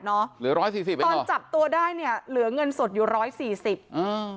เหลือ๑๔๐บาทตอนจับตัวได้เหลือเงินสดอยู่๑๔๐บาท